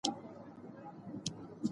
فیصل خپل بکس په غولي وغورځاوه.